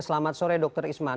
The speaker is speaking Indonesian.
selamat sore dr isman